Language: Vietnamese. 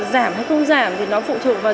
giảm hay không giảm thì nó phụ thuộc vào